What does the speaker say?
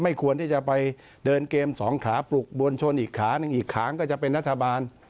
ควรที่จะไปเดินเกมสองขาปลุกมวลชนอีกขาหนึ่งอีกขางก็จะเป็นรัฐบาล